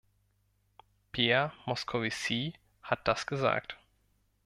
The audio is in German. Pierre Moscovici hat das gesagt.